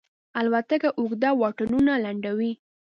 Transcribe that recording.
الوتکه اوږده واټنونه لنډوي.